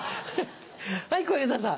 はい小遊三さん。